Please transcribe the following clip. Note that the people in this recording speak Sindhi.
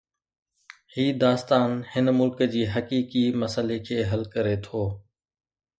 هي داستان هن ملڪ جي حقيقي مسئلي کي حل ڪري ٿو.